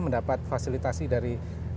mendapat fasilitasi dari